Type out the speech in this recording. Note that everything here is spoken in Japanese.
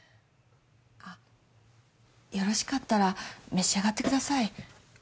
あよろしかったら召し上がってください。